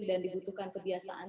dan dibutuhkan kebiasaan